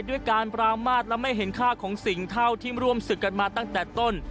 ด้วยการปรามาทและไม่เห็นค่าของสิ่งเท่าที่ร่วมศึกกันมาตั้งแต่ต้น